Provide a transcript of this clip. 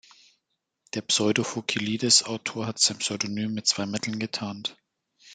Der Pseudo-Phokylides-Autor hat sein Pseudonym mit zwei Mitteln getarnt.